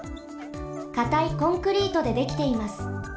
かたいコンクリートでできています。